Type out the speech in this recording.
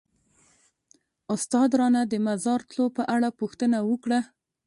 استاد رانه د مزار تلو په اړه پوښتنه وکړه.